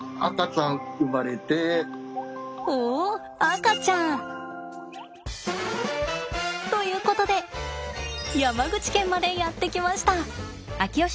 赤ちゃん！ということで山口県までやって来ました。